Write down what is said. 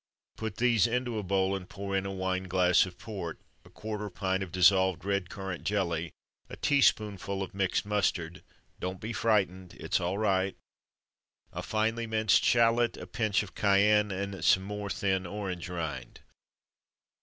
Put these into a bowl, and pour in a wine glass of port, a quarter pint of dissolved red currant jelly, a teaspoonful of mixed mustard don't be frightened, it's all right a finely minced shallot, a pinch of cayenne, and some more thin orange rind.